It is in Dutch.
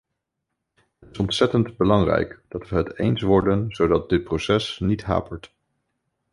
Het is ontzettend belangrijk dat we het eens worden zodat dit proces niet hapert.